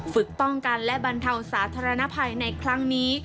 ฝึกป้องกันและบรรเทาสาธารณภัยในครั้งนี้